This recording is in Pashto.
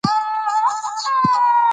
دوی د ملالۍ په اړه معلومات راټولوي.